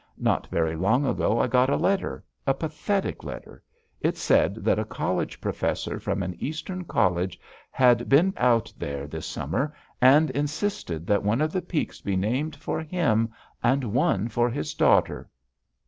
Not very long ago I got a letter a pathetic letter. It said that a college professor from an Eastern college had been out there this summer and insisted that one of the peaks be named for him and one for his daughter.